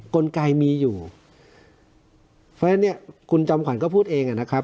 กลไกมีอยู่เพราะฉะนั้นเนี่ยคุณจอมขวัญก็พูดเองนะครับ